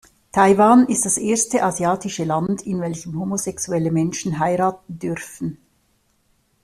Taiwan ist das erste asiatische Land, in welchem homosexuelle Menschen heiraten dürfen.